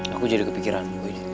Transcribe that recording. aku jadi kepikiran